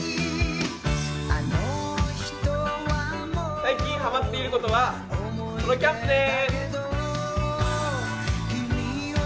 最近ハマっていることは、ソロキャンプです。